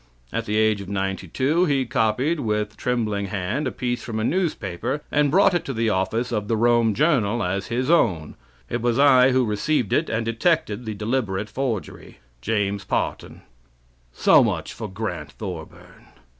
At the age of 92 he copied with trembling hand a piece from a newspaper and brought it to the office of The Rome Journal as his own. It was I who received it and detected the deliberate forgery..... James Parton" So much for Grant Thorburn.